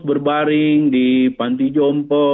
berbaring di panti jompo